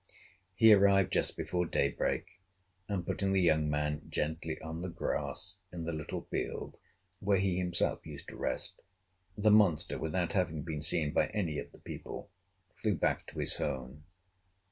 He arrived just before daybreak, and putting the young man gently on the grass in the little field where he himself used to rest, the monster, without having been seen by any of the people, flew back to his home.